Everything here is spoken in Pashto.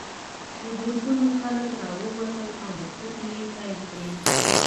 په زرګونو خلک راووتل او نښتې یې پیل کړې.